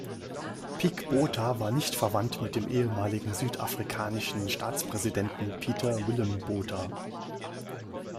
Pik Botha war nicht verwandt mit dem ehemaligen südafrikanischen Staatspräsidenten Pieter Willem Botha.